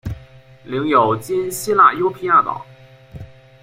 领有今希腊优卑亚岛。